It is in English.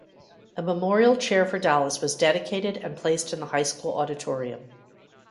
A memorial chair for Dallas was dedicated and placed in the high school auditorium.